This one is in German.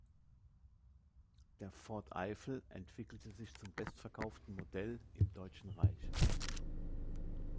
Der Ford Eifel entwickelte sich zum bestverkauften Modell im Deutschen Reich.